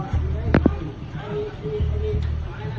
สวัสดีครับ